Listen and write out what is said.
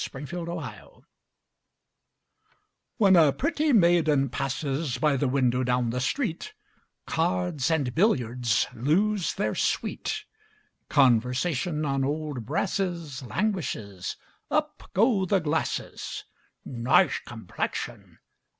Y Z At the Club When a pretty maiden passes By the window down the street, Cards and billiards lose their sweet; Conversation on old brasses Languishes; up go the glasses: "Nice complexion!"